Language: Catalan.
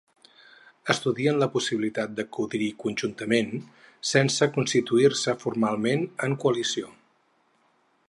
Estudien la possibilitat d’acudir-hi conjuntament, sense constituir-se formalment en coalició.